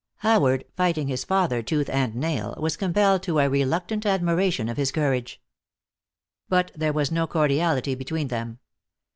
Howard, fighting his father tooth and nail, was compelled to a reluctant admiration of his courage. But there was no cordiality between them.